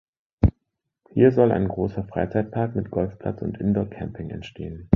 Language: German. Hier soll ein großer Freizeitpark mit Golfplatz und Indoor-Camping entstehen.